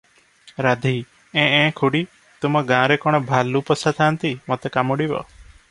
ରାଧୀ -ଏଁ -ଏଁ ଖୁଡ଼ି! ତୁମ ଗାଁରେ କଣ ଭାଲୁ ପୋଷା ଥାନ୍ତି, ମତେ କାମୁଡ଼ିବ?